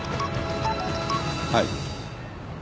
はい。